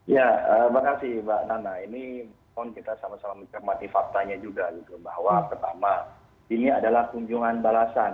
ya terima kasih mbak nana ini mohon kita sama sama mencermati faktanya juga bahwa pertama ini adalah kunjungan balasan